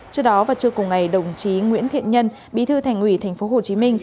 trước đó vào trưa cùng ngày đồng chí nguyễn thiện nhân bí thư thành ủy tp hcm